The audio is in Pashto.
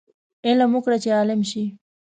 علم وکړه چې عالم شې